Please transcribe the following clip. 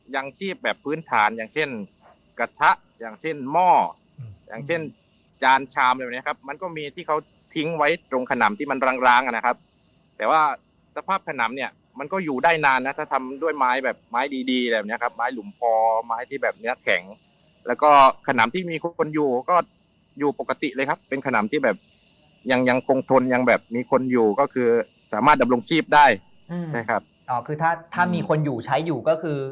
อย่างเช่นหม้ออย่างเช่นจานชามอะไรแบบนี้ครับมันก็มีที่เขาทิ้งไว้ตรงขนำที่มันร้างร้างอะนะครับแต่ว่าสภาพขนำเนี้ยมันก็อยู่ได้นานนะถ้าทำด้วยไม้แบบไม้ดีดีแบบนี้ครับไม้หลุมพอไม้ที่แบบเนี้ยแข็งแล้วก็ขนำที่มีคนอยู่ก็อยู่ปกติเลยครับเป็นขนำที่แบบยังยังคงทนยังแบบมีคนอยู่ก็คื